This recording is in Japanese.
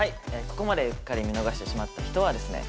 ここまでうっかり見逃してしまった人はですね